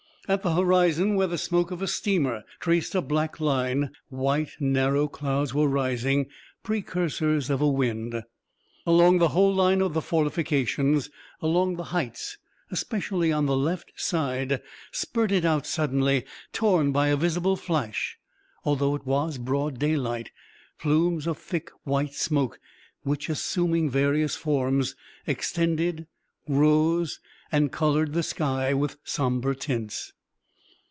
At the horizon, where the smoke of a steamer traced a black line, white, narrow clouds were rising, precursors of a wind. Along the whole line of the fortifications, along the heights, especially on the left side, spurted out suddenly, torn by a visible flash, although it was broad daylight, plumes of thick white smoke, which, assuming various forms, extended, rose, and colored the sky with sombre tints.